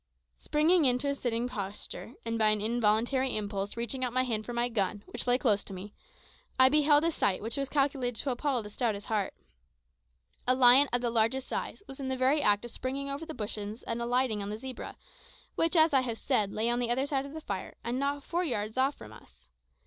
Springing into a sitting posture, and by an involuntary impulse reaching out my hand for my gun which lay close to me, I beheld a sight that was calculated to appal the stoutest heart. A lion of the largest size was in the very act of springing over the bushes and alighting on the zebra, which, as I have said, lay on the other side of the fire and not four yards off from us.